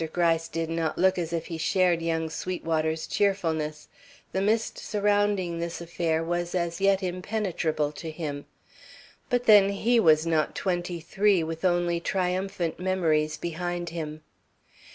Gryce did not look as if he shared young Sweetwater's cheerfulness. The mist surrounding this affair was as yet impenetrable to him. But then he was not twenty three, with only triumphant memories behind him.